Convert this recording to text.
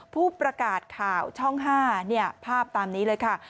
ผู้ประกาศข่าวช่อง๕ภาพตามนี้เลยค่ะ